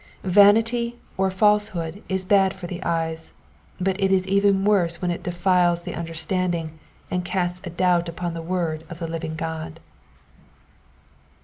Vanity or falsehood is bad for the eyes, but it is even worse when it defiles the understanding and casts a doubt upon the word of the living God.